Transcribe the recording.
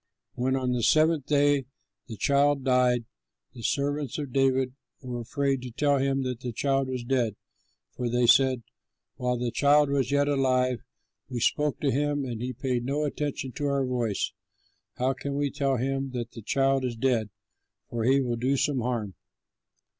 When on the seventh day the child died, the servants of David were afraid to tell him that the child was dead, for they said, "While the child was yet alive, we spoke to him and he paid no attention to our voice. How can we tell him that the child is dead, for he will do some harm!"